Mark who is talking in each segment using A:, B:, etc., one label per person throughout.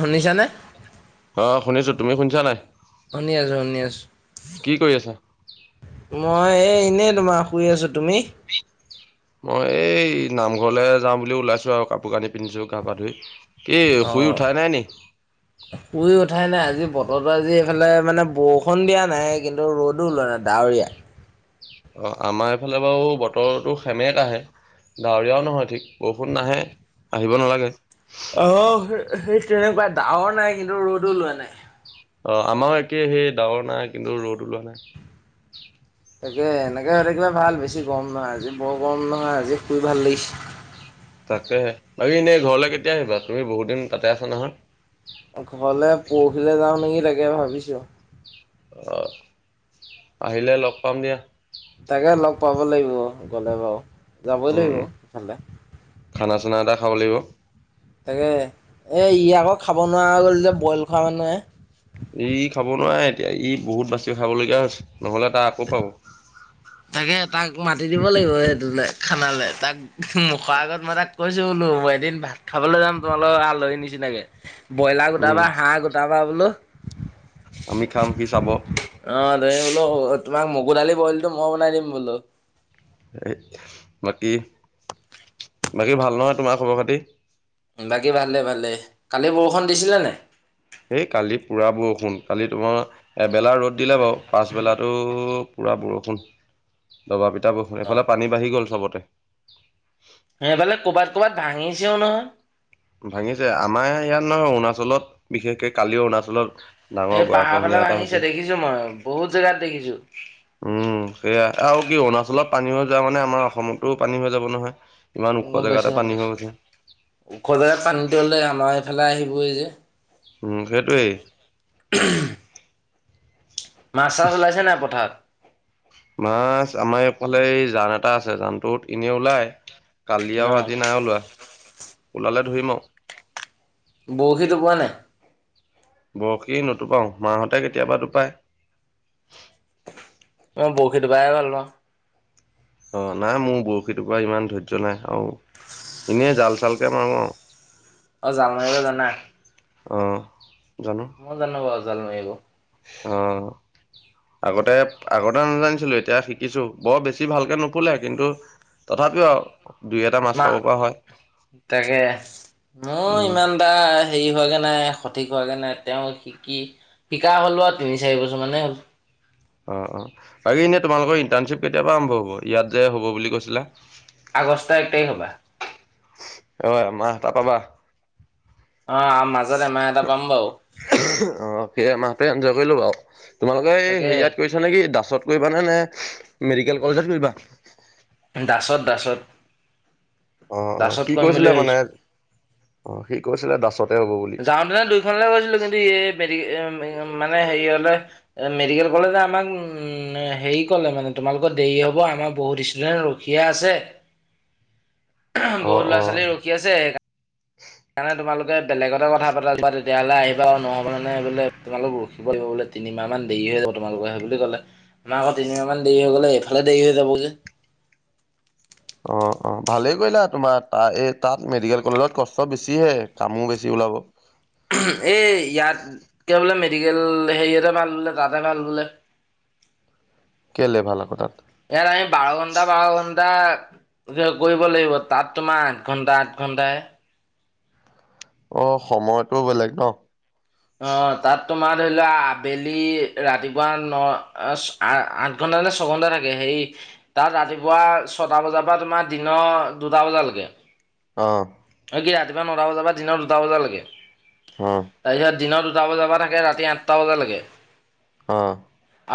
A: শুনিছানে?
B: অ শুনিছো তুমি শুনিছা নাই
A: শুনি আছো শুনি আছো।
B: কি কৰি আছা?
A: মই এই এনেই তোমাৰ শুই আছোঁ তুমি?
B: মই এই নামঘৰলে যাওঁ বুলি ওলাইছো আৰু কাপোৰ কানি পিন্ধিছো গা পা ধুই। কি শুই
A: অ'।
B: উঠাই নাই নি?
A: শুই উঠাই নাই আজি বতৰটো আজি এইফালে মানে বৰষুণ দিয়া নাই কিন্তু ৰ'দো ওলোৱা নাই ডাৱৰীয়া।
B: অ আমাৰ এইফালে বাৰু বতৰটো সেমেকাহে। ডাৱৰীয়াও নহয়, ঠিক। বৰষুণ নাহে। আহিব নালাগে।
A: অহ। সে সেই তেনেকুৱাই। ডাৱৰ নাই, কিন্তু ৰ'দ ওলোৱা নাই।
B: অহ। আমাৰো একে। সেই ডাৱৰ নাই কিন্তু ৰ'দ ওলোৱা নাই।
A: তাকে এনেকে হৈ থাকিলে ভাল। বেছি গৰম নহয়। আজি বৰ গৰম নহয়, আজি শুই ভাল লাগিছে।
B: তাকেহ। বাকি এনে ঘৰলৈ কেতিয়া আহিবা? তুমি বহুত দিন তাতে আছা নহয়।
A: ঘৰলে পৰহিলৈ যাওঁ নেকি, তাকে ভাবিছোঁ!
B: অহ। আহিলে লগ পাম দিয়া।
A: তাকেহ লগ পাব লাগিব। গ'লে বাৰু। যাবই
B: উম
A: লাগিব।
B: উম
A: ইফালে
B: খানা- চানা এটা খাব লাগিব।
A: তাকেহ। এ ই আকৌ খাব নোৱাৰা হৈ গ'ল যে, বইল খোৱা মানুহহে।
B: এই ই খাব নোৱাৰে, এতিয়া। ই বহুত বাছি খাবলগীয়া হৈছে। নহলে তাৰ আকৌ পাব।
A: তাকেহ। তাক মাতি দিব লাগিব। সেইটোলে খানালে। তাক মুখৰ আগত, মই তাক কৈছো বোলো -মই এদিন ভাত খাবলৈ যাম। তোমাৰ লগৰ আলহীৰ নিচিনাকে। ব্ৰইলাৰ
B: উম
A: গোটাবা। হাঁহ গোটাবা বোলো।
B: আমি খাম। সি চাব!
A: অ দে বোলো, তোমাক মগু দালি বইলটো মই বনাই দিম বোলো।
B: এই বাকী। বাকী ভাল নহয় তোমাৰ খবৰ-খাতি?
A: বাকী ভালে। ভালে। কালি বৰষুণ দিছিলে নে নাই?
B: এই কালি পুৰা বৰষুণ। কালি তোমাৰ, এবেলা ৰ'দ দিলে বাৰু। পাচবেলাটো পুৰা বৰষুণ। দবা পিটা বৰষুণ।
A: অ
B: এইফালে পানী বাঢ়ি গ'ল চবতে।
A: সেইফালে ক'বাত -ক'বাত ভাঙিছেও নহয়।
B: ভাঙিছে। আমাৰ ইয়াত নহয়। অৰুণাচলত। বিশেষকে কালি অৰুণাচলত ডাঙৰ গৰাখহনীয়া এটা হৈছে।
A: দেখিছোঁ মই। বহুত জেগাত দেখিছোঁ।
B: উম। সেয়া। আৰু কি অৰুণাচলত পানী হৈ যোৱা মানে, আমাৰ অসমতো পানী হৈ যাব নহয়। ইমান ওখ
A: গম
B: জেগাতে
A: পাইছোঁ। গম
B: পানী হৈ
A: পাইছোঁ।
B: গৈছে
A: ওখ জেগাত পানীটো হ'লে আমাৰ এইফালে আহিবই যে।
B: উম সেইটোৱেই।
A: উম [unintelligible] মাছ -চাছ ওলাইছে নাই পথাৰত?
B: মাছ! আমাৰ এইফালে এই জান এটা আছে। জানটোত এনে ওলায়। কালি
A: ন
B: আৰু আজি নাই ওলোৱা। ওলালে ধৰিম আৰু।
A: বৰশী টোপোৱা নাই?
B: বৰশী নোটোপাওঁ। মাহঁতে কেতিয়াবা টোপাই।
A: মই বৰশী টোপাইহে ভাল পাওঁ।
B: অ' নাই। মোৰ বৰশী টোপোৱা ইমান ধৈৰ্য্য নাই। আৰু এনেই জাল- চালকে মাৰোঁ আৰু।
A: অ' জাল মাৰিব জানা?
B: অহ। জানো।
A: মই জানো বাৰু, জাল মাৰিব।
B: অহ। আগতে- আগতে নাজানিছিলো। এতিয়া শিকিছোঁ। বৰ বেছি ভালকে নুফুলে, কিন্তু তথাপিও আৰু। দুই এটা মাছ
A: নাহ।
B: খাব পৰা হয়
A: তাকে ময়ো
B: উম
A: ইমান তাৰ হেৰি হোৱাগে নাই। সঠিক হোৱাগে নাই। তেওঁ শিকি শিকা হলোঁ আৰু। তিনি চাৰি বছৰমানেই হ'ল।
B: অ', অ'। বাকী এনেই তোমালোকৰ ইণ্টাৰ্ণশ্বিপ কেতিয়াবা আৰম্ভ হ'ব, ইয়াত যে হ'ব বুলি কৈছিলে?
A: আগষ্টৰ এক তাৰিখ পৰা।
B: আৰু এমাহ তাৰপা বা।
A: অ' আ, মাজত এমাহ এটা পাম বাৰু।
B: অ' সেই এমাহটো এনজয় কৰি ল'বা আৰু। তোমালোকে এই
A: তাকে
B: হেৰিয়াত কৰি মানে কি দাচত কৰিবা নে নে মেডিকেল কলেজত কৰিবা?
A: দাচত দাচত।
B: অ', অ' সি
A: বুলি
B: কৈছিলে মানে,
A: ভাবিছো
B: অ' সি কৈছিলে দাচতে হ'ব বুলি।
A: মানে দুইখনলৈ গৈছিলোঁ কিন্তু [unintelligible] মানে হেৰিয়লে এ, মেডিকেল কলেজে আমাক উ, হেৰি ক'লে মানে তোমালোকৰ দেৰি হ'ব আমাৰ বহুত ইছ ষ্টুডেন্ট ৰখিয়ে আছে।
B: অ',
A: বহুত ল'ৰা
B: অ'।
A: ছোৱালী ৰখি আছে সেই সেইকাৰণে তোমালোকে বেলেগতে কথা পাতা বা তেতিয়াহ'লে আহিবা আৰু নহ'ব লাগিলে তোমালোক ৰখিব লাগিব বোলে। তিনিমাহ মান দেৰি হৈ যাব তোমালোকৰ সেই বুলি ক'লে। আমাৰ আকৌ তিনিমাহ মান দেৰি হৈ গ'লে এইফালে দেৰি হৈ যাব যে।
B: অ', অ'। ভালেই কৰিলা, তোমাৰ তা এই তাত মেডিকেল কলেজত কষ্ট বেছিহে, কামো বেছি ওলাব।
A: এই ইয়াতকে বোলে মেডিকেল হেৰিয়তে ভাল বোলে, তাতহে ভাল বোলে।
B: কেইলে ভাল আকৌ তাত?
A: ইয়াত আমি বাৰঘণ্টা বাৰঘণ্টা কৰিব লাগিব, তাত তোমাৰ আঠ ঘণ্টা আঠ ঘণ্টাহে।
B: অ' সময়টো বেলেগ ন'?
A: অ' তাত তোমাৰ ধৰি লোৱা আবেলি ৰাতিপুৱা ন' [unintelligible] আ-আঠ ঘণ্টা নে ছঘণ্টা থাকে হেৰি তাত ৰাতিপুৱা ছটা বজাৰ পৰা তোমাৰ দিনৰ দুটা বজালৈকে।
B: অ'।
A: এই কি ৰাতিপুৱা নটা বজাৰ বা দিনৰ দুটা বজালৈকে,
B: অ',
A: তাৰপিছত দিনৰ যাব যাবা থাকে ৰাতি আঠটা বজালৈকে।
B: অ'।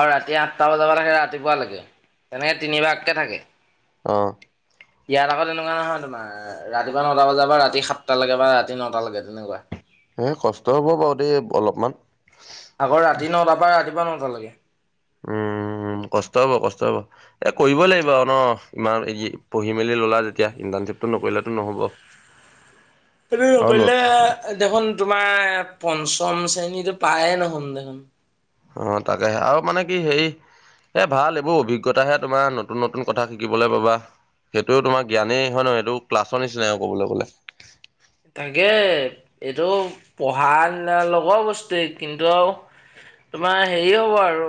A: আৰু ৰাতি আঠটা বজাৰ পৰা থাকে ৰাতিপুৱালৈকে, তেনেকে তিনিবাৰকৈ থাকে।
B: অ'।
A: ইয়াত আকৌ তেনেকুৱা নহয় তোমাৰ ৰাতিপুৱা ন টা বজাৰ বা ৰাতি সাতটালৈকে বা ৰাতি নটালৈ তেনেকুৱা।
B: এ, কষ্ট হ'ব বাৰু দেই অলপমান।
A: আগৰ ৰাতি নটাৰ পৰা ৰাতিপুৱা নটালৈকে।
B: উম, কষ্ট হ'ব, কষ্ট হ'ব। এতে কৰিবই লাগিব আৰু ন' ইমান পঢ়ি মেলি ল'লা যেতিয়া ইণ্টাৰ্ণশ্বিপটো নকৰিলেটো নহ'ব। [inaudible]
A: সেইটো
B: আৰু ন
A: নকৰিলে দেখোন তোমাৰ পঞ্চম শ্ৰেণীটো পায় নহুন দেখোন।
B: অ তাকে আৰু মানে কি হেৰি এ, ভাল এইবোৰ অভিজ্ঞতাহে তোমাৰ, নতুন নতুন কথা শিকিবলৈ পাবা। সেইটো তোমাৰ জ্ঞানেই হয় নহয়, সেইটো ক্লাছৰ নিচিনাই আৰু ক'বলৈ গ'লে।
A: তাকে এইটো পঢ়াৰ লগৰ বস্তুৱেই কিন্তু আৰু তোমাৰ হেৰি হ'ব আৰু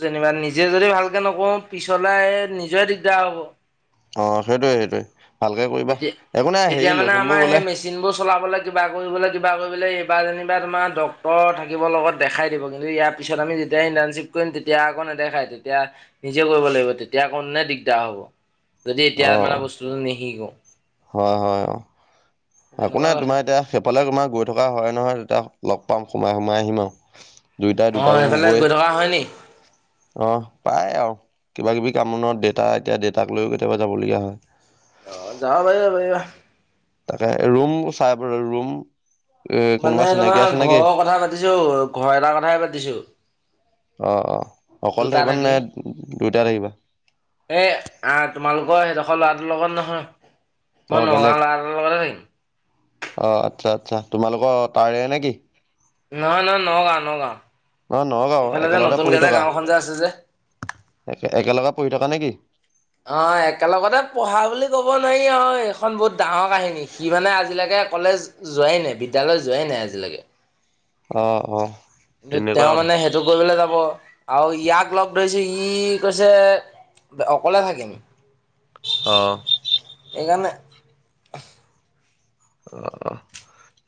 A: যেনিবা নিজে যদি ভালকে নকৰোঁ পিছলাই নিজৰে দিগদাৰ হ'ব।
B: অ' সেইটোয়ে সেইটোয়ে, ভালকে কৰিবা। একো নাই হেৰি লখিমপুৰ গ'লে
A: চিনবোৰ চলাবলৈ কিবা কৰিবলৈ কিবা কৰিবলৈ এইবাৰ যেনিবা তোমাৰ ডক্তৰ থাকিবৰ লগত দেখাই দিব কিন্তু ইয়াত পিছত আমি যেতিয়া ইণ্টাৰ্ণ্বপ কৰিম, তেতিয়া আক নেদেখায় তেতিয়া। নিজে কৰিব লাগিব তেতিয়া আক দিগদাৰ হব, যদি এতিয়া মানে
B: অ',
A: বস্তুটো নিশিকোঁ।
B: হয় হয় অ।
A: সেই
B: একো
A: তেনেকুৱা
B: নাই
A: কথা
B: তোমাৰ এতিয়া সেইফালে তোমাৰ গৈ থকা হয় নহয়, তেতিয়া লগ পাম সোমাই সোমাই আহিম আৰু। দুইটাই
A: অ
B: দুটা ৰুম
A: এইফালে
B: হবই,
A: গৈ থকা হয় নি
B: অ পাই আৰু। কিবা কিবি কাম বনত দেতা এতিয়া দেউতাক লৈ কেতিয়াবা যাবলগীয়া হয়।
A: অ যাব পাৰিবা, পাৰিবা।
B: তাকে ৰুম চাই পেল ৰুম এ কোনোবা
A: মানে
B: চিনাকি আছে
A: তোমাৰ
B: নেকি
A: ঘৰৰ কথা পাতিছো, ঘৰ এটাৰ কথাই পাতিছো।
B: অ অ অকলে
A: দুটা
B: থাকিবা নে দুইটাই থাকিবা।
A: এ আ তোমালোকৰ সেইডখৰ ল'ৰাটোৰ লগত নহয়,
B: অ
A: মই
B: বেলেগ
A: নগাঁও ল'ৰা এটা লগতে থাকিল।
B: অ আচ্ছা আচ্ছা তোমালোকৰ তাৰে নে কি?
A: নহয়, নহয়, নগাঁও, নগাঁও।
B: অ নগাঁও
A: এইফালে যে
B: একেলগতে
A: নতুনকে
B: পঢ়ি
A: যে
B: থকা,
A: গাঁওখন যে আছে যে
B: একে একেলগে পঢ়ি থকা নে কি?
A: অ একেলগতে পঢ়া বুলি ক'ব নোৱাৰি আও, এইখন বহুত ডাঙৰ কাহিনী। সি মানে আজিলেকে কলেজ যোৱাই নাই, বিদ্যালয় যোৱাই নাই আজিলেকে।
B: অ অ।
A: কি
B: তেনেকুৱা
A: তেওঁ
B: কথা
A: মানে সেইটো কৰিবলৈ যাব আৰু ইয়াক লগ ধৰিছো ই কৈছে অকলে থাকিম।
B: অ।
A: এইকাৰণে
B: অ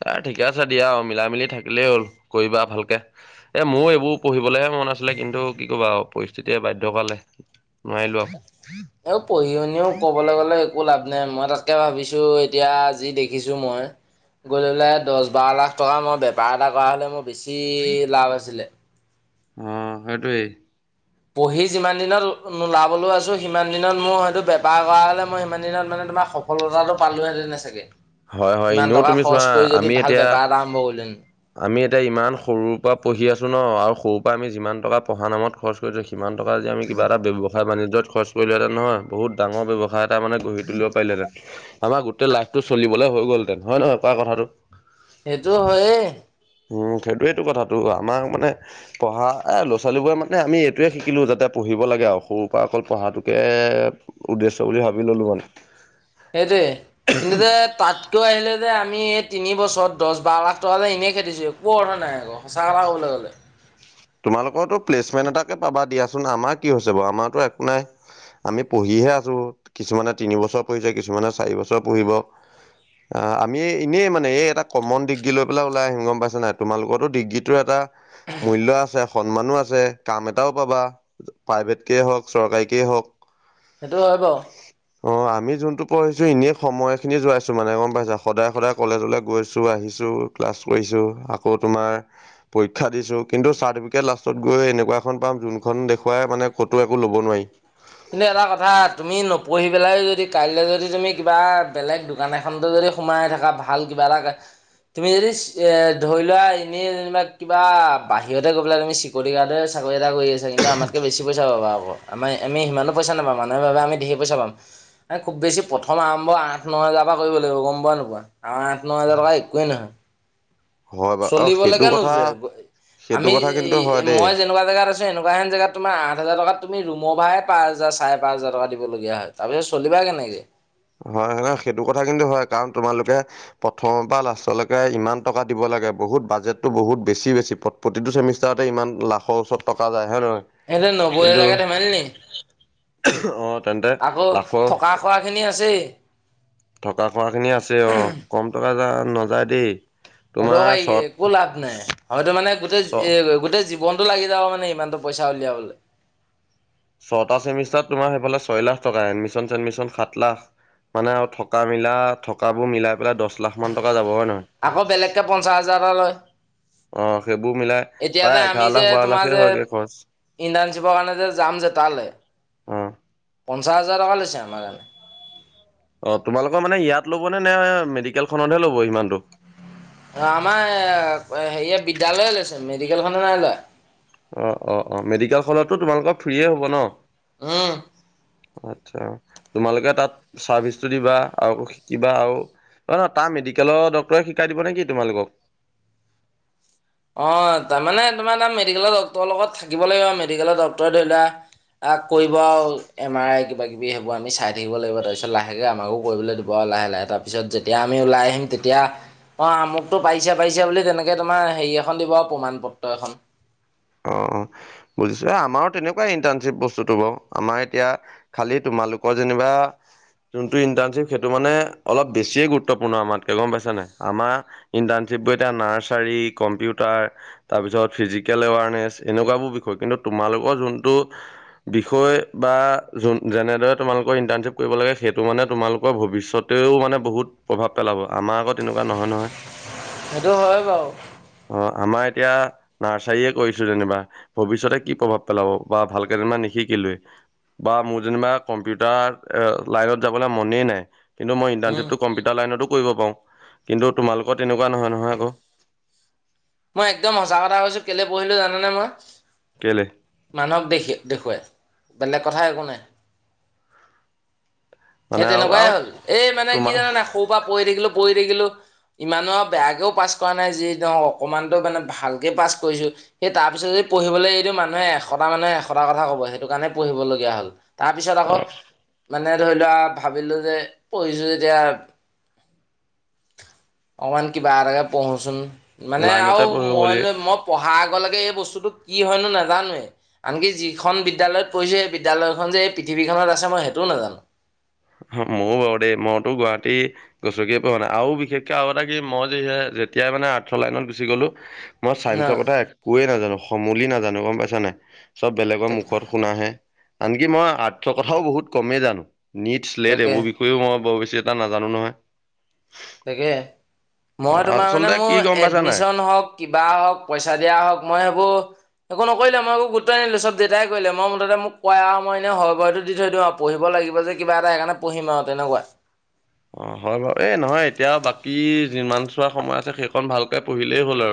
B: বাৰু ঠিকে আছে দিয়া, অ মিলাই মিলি থাকিলেই হ'ল কৰিবা ভালকে। এ মোৰ এইবোৰ পঢ়িবলেহে মন আছিলে কিন্তু কি কবা পৰিস্থিতিয়ে বায়ধ্য কৰালে। নোৱাৰিলোঁ আও।
A: এ পঢ়ি শুনিও ক'বলে গ'লে একো লাভ নাই, মই তাতকে ভাবিছোঁ এতিয়া আ যি দেখিছোঁ মই গৈ লৈ পেলাই দহ বাৰ লাখ টকা মই বেপাৰ এটা কৰা হলে মোৰ বেছি লাভ আছিলে।
B: অ সেইটোৱেই।
A: পঢ়ি যিমান দিনত নোলাবলৈও আছো সিমান দিনত মোৰ হয়তো বেপাৰ কৰা হ'লে মই সিমান দিনত মানে তোমাৰ সফলতাটো পালোঁহেঁতেন চাগে,
B: হয়, হয়,
A: ইমান
B: এনেও
A: টকা
B: তুমি চোৱা
A: খৰচ কৰি যদি
B: আমি
A: ভাল
B: এতিয়া
A: বেপাৰ এটা আৰম্ভ কৰিলোহেঁতেন।
B: আমি এতিয়া ইমান সৰুৰ পা পঢ়ি আছো ন আৰু সৰুৰ পা আমি যিমান টকা পঢ়া নামত খৰচ সিমান টকা আজি আমি কিবা এটা ব্যৱসায় বাণিজ্যত খৰচ কৰিলোহেঁতেন নহয়, বহুত ডাঙৰ ব্যৱসায় এটা মানে গঢ়ি তোলি পাৰিলোঁহেঁতেন আমাৰ গোটেই লাইফটো চলিবলে হৈ গলহেঁতেন হয় নহয় কোৱা কথাটো?
A: সেইটো হয়ে।
B: উম সেইটোৱেইটো কথাটো, আমাৰ মানে পঢ়া এই ল'ৰা ছোৱালীবোৰে মানে আমি এইটোৱে শিকিলোঁ যাতে পঢ়িব লাগে আৰু সৰুৰ পা অকল পঢ়াটোকে উদ্দেশ্য বুলি ভাবি ললোঁ মানে।
A: সেইটোৱে কিন্তু যে তাত টো আহিলে যে আমি এই তিনিবছৰত দহ, বাৰ লাখ টকা এনেই খেদিছোঁ একো অৰ্থ নাই আকৌ। সঁচা কথা কবলে গ'লে।
B: তোমালোকৰতো প্লেচমেণ্ট এটাকে পাবা দিয়াচোন আমাৰ কি হৈছে বাৰু আমাৰতো একো নাই। আমি পঢ়িহে আছোঁ কিছুমানে তিনিবছৰ পঢ়িছে, কিছুমানে চাৰি বছৰ পঢ়িব। আমি এনেই মানে এই এটা কমন ডিগ্ৰী লৈ পেলাই ওলাই আহিম গম পাইছ নাই, তোমালোকৰো ডিগ্ৰীটোৰ এটা মূল্য আ সন্মানো আছে, কাম এটাও পাবা, প্ৰাইভেটকেই হওঁক, চৰকাৰীকেই হওক।
A: সেইটো হয় বাৰু।
B: অ' আমি যোনটো পঢ়িছো এনে সময় খিনি যোৱাইছো মানে গম পাইছা সদায়, সদায় কলেজলৈ গৈছো আহিছো ক্লাছ কৰিছো, আকৌ তোমাৰ পৰীক্ষা দিছো কিন্তু ছাৰ চাৰ্টিফিকেট লাষ্টত গৈ এনেকুৱা এখন পাম যোনখন দেখুৱাই মানে ক'তো একো ল'ব নোৱাৰি।
A: কিন্তু এটা কথা তুমি নপঢ়ি পেলাই যদিও কাইলৈ যদি তুমি কিবা বেলেগ দোকান এখনতো যদি সোমাই থকা ভাল কিবা এটা তুমি যদি এ ধৰি লোৱা এনে যেনিবা কিবা বাহিৰতে গৈ পেলাই তুমি চেক বডিগাৰ্ডে চাকৰি এটা কৰি আছে, কিন্তু আমাতকৈ বেছি পইচা পাব আকৌ, আমি আমি সিমানো পইচা নাপাম, মানুহ বাবে আমি ধেই পইচা পাম। তাত খুব বেছি প্ৰথম আৰম্ভ আঠ ন হেজাৰ পৰা কৰিব লাগিব গম পোৱা নে নোপোৱা, আৰু আঠ ন হেজাৰ টকা একোৱেই নহয়।
B: হয় বা অ
A: চলিব
B: সেইটো
A: লৈকে
B: কথা
A: নোযোৰে গৈ,
B: সেইটো
A: আমি
B: কথা কিন্তু হয়
A: ই
B: দেই
A: মই যে এনেকুৱা জেগাত আছে এনেকুৱা যেন জেগাত তোমাৰ আঠ হাজাৰ টকাত তুমি ৰুমৰ ভাৰাই পাঁচ হাজাৰ চাৰে পাঁচ হাজাৰ টকা দিবলগীয়া হয়। তাৰপিছত চলিবা কেনেকে।
B: হয় নহয়, সেইটো কথা কিন্তু হয়, কাৰণ তোমালোকে প্ৰথমৰ পৰা লাষ্টলৈকে ইমান টকা দিব লাগে, বহুত বাজেটটো বহুত বেছি হৈছে। প্র প্ৰতিটো চেমিষ্টাৰতে ইমান লাখৰ ওচৰত টকা যায় হয় নহয়।
A: একে
B: কিন্তু
A: নব্বৈহাজাৰকে ধেমালি নেকি!
B: অ তেন্তে
A: আকৌ
B: লাখৰ
A: থকা-খোৱা খিনি আছেই।
B: থকা খোৱা খিনি আছে অ'। কম টকা যা-নাযায় দেই। তোমাৰ
A: অদৰ্কাৰী
B: চত
A: এ-একো লাভ নাই, হয়তো মানে গোটেই
B: ছ
A: এ গোটেই জীৱন জীৱনটো লাগি যাব মানে ইমানটো পইচা উলিয়াবলৈ।
B: ছটা চেমিষ্টাৰত তোমাৰ সেইফালে ছয় লাখ টকাই, এডমিশ্যন-চেডমিশ্যন সাত লাখ মানে আৰু থকা মিলা থকাবোৰ মিলাই পেলাই দহ লাখ মান টকা যাব হয় নহয়।
A: আকৌ বেলেগকে পঞ্চাছ হাজাৰ এটা লয়।
B: অ' সেইবোৰ মিলাই
A: এতিয়া
B: প্ৰায় এঘাৰ লাখ, বাৰ লাখে হয়গৈ খৰচ।
A: ইণ্টাৰ্ণশিপৰ কাৰণে যে, যাম যে তালে।
B: অহ'।
A: পঞ্চাছ হাজাৰ টকা লৈছে আমাৰ।
B: অ' তোমালোকৰ মানে ইয়াত ল'বনে' নে মেডিকেলখনতহে ল'ব ইমানটো।
A: অ, আমাৰ এ হেৰিয়ে বিদ্যালয় লৈছে, মেডিকেলখনে নাই লোৱা।
B: অ', অ', অ', মেডিকেল খনতটো তোমালোকৰ ফ্ৰি এ হ'ব ন।
A: উম।
B: আচ্ছা। তোমালোকে তাত চাৰ্ভিচটো দিবা, আকৌ শিকিবা আৰু অ, তাৰ মেডিকেলৰ ডক্টৰে শিকাই দিব নেকি তোমালোকক?
A: অ, তাৰমানে তোমাৰ তাত মেডিকেলৰ ডক্টৰৰ লগত থাকিব লাগিব, মেডিকেলৰ ডক্টৰে ধৰি লোৱা। আহ, কৰিব আৰু এম আৰ আই কিবা, কিবি। কি হ'ব আমি চাই থাক লাগিব, তাৰপিছত লাহেকৈ আমাকো কৰিবলৈ দিব আৰু লাহে, লাহে তাৰপিছত যেতিয়া আমি ওলাই আহিম তেতিয়া অ, আমুক টো পাৰিছে, পাৰিছে বুলি তেনেকে তোমাৰ হেৰি এখন দিব আৰু প্ৰমাণ পত্ৰ এখন।
B: অ', অ', বুজিছো আমাৰো তেনেকুৱাই ইণ্টাৰ্ণশ্বিপ বস্তুটো বাৰু, আমাৰ এতিয়া খালি তোমালোকৰ যেনিবা যোনটো ইণ্টাৰ্ণশ্বিপ সেইটো মানে অলপ বেছিয়ে গুৰুত্বপূৰ্ণ আমাতকৈ গম পাইছা নাই, আমাৰ ইণ্টাৰ্ণশ্বিপ বোৰ এতিয়া নাৰ্চাৰী, কম্পিউটাৰ, তাৰপিছত ফিজিকেলএৱাৰ নেছ এনে কোৱাবোৰ বিষয়, কিন্তু তোমালোকৰ যোনটো বিষয় বা যোন, যেনেদৰে তোমালোকৰ ইণ্টাৰ্ণশ্বিপ কৰিব লাগে, সেইটো মানে তোমালোকৰ ভৱিষ্যত টোৱেও মানে বহুত প্ৰভাৱ পেলাব। আমাৰ আকৌ এনেকুৱা নহয়, নহয়।
A: সেইটো হয়, বাৰু।
B: অ, আমাৰ এতিয়া নাৰ্চাৰী কৰিছো যেনিবা ভৱিষ্যতে কি প্ৰভাৱ পেলাব বা ভালকে যেনিবা নিশিকিলোৱে। বা মোৰ যেনিবা কম্পিউটাৰ এ লাইনত যাবলৈ মনেই নাই। কিন্তু মই
A: উম
B: ইণ্টাৰ্শ্বিপটো কম্পিউটাৰ লাইনতো কৰিব পাৰোঁ কিন্তু তোমালোকৰ তেনেকুৱা নহয়, নহয় আকৌ।
A: মই একদম সঁচা কথা কৈছো, কেলে পঢ়িলো জানানে মই?
B: কেলে?
A: মানুহক দেখে দেখুৱাই, বেলেগ কথা একো নাই।
B: মানে
A: সেই
B: আৰু
A: তেনেকুৱাই
B: আৰু
A: হ'ল, এই মানে কি
B: তোমাৰ
A: জানা নাই সৰু পৰা পঢ়ি থাকিলো, পঢ়ি থাকিলো ইমানো আৰু বেয়াকেও পাছ কৰা নাই, যি ধৰক অকণমানতো মানে ভালকে পাছ কৰিছোঁ সেই তাৰ পিছত যদি পঢ়িবলৈ এইটো মানুহে এশটা মানুহে এশটা কথা কব সেইটো কাৰণে পঢ়িবলগীয়া হ'ল। তাৰপিছত আকৌ মানে ধৰি লোৱা ভাবিলো যে পঢ়িছো যেতিয়া অকমান কিবা এটাকে পঢ়োচোন মানে
B: লাইনতে
A: আৰু
B: পঢ়িব
A: মই
B: বুলি
A: লৈ মই পঢ়াৰ আগলৈকে এই বস্তুটো কি হয়নো নাজানোৱে? আনকি যিখন বিদ্যালয়ত পঢ়িছোঁ, সেই বিদ্যালয়খন যে এই পৃথিৱীখনত আছে মই সেইটো নাজানো।
B: হ ময়ো বাৰু দেই, মইতো গুৱাহাটী গছকিয়ে পঢ়োঁৱা নাই আৰু বিশেষকে আৰু এটা কি মই যিহে যেতিয়াই মানে আৰ্টছৰ লাইনত গুচি গ'লো। মই
A: ন
B: চাইন্সৰ কথা একোৱেই নাজানো, সমলি নাজানো গম পাইছা নাই? চব বেলেগৰ
A: তাকে
B: মুখত শুনাহে, আনকি মই আৰ্টছৰ কথাও বহুত কমে জানো, নিটছ, লেট
A: তাকে
B: এইবোৰ বিষ [unintelligible] মই বৰ বেছি এটা নাজানো নহয়।
A: তাকে,
B: অ
A: মই তোমাৰ মানে
B: আচলতে কি
A: মোৰ
B: গম পাইছা নাই
A: এডমিশন হওক কিবা হওক, পইচা দিয়া হওক, মই সেইবো একো নকৰিলে, মই একো গুৰুত্বই নিদিলো চব দেউতাই কৰিলে মই মুঠতে মোক কোৱাই আৰু মই এনে হবটো দি থৈ দিওঁ পঢ়িব লাগিব যে, কিবা এটা সেইকাৰণে পঢ়িম আৰু তেনেকুৱা।
B: অ, হয় বাৰু এই নহয় এতিয়া বাকী যিমান চোৱাৰ সময় আছে, সেইখন ভালকে পঢ়িলেই হ'ল আৰু।